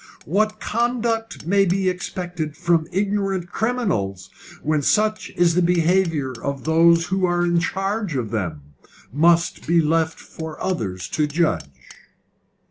What conduct may be expected from ignorant criminals when such is the behaviour of those who are in charge of them, must be left for others to judge."